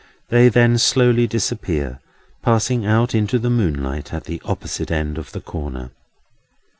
They then slowly disappear; passing out into the moonlight at the opposite end of the Corner.